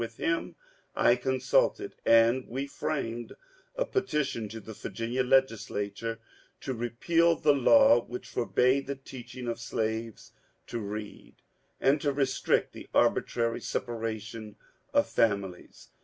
With him I consulted, and we framed a petition to the Virginia Legislature to repeal the law which forbade the teaching of slaves to read, and to restrict the arbitrary separation of families.